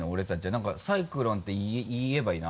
何か「サイクロン」って言えばいいの？